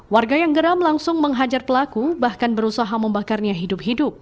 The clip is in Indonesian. warga yang geram langsung menghajar pelaku bahkan berusaha membakarnya hidup hidup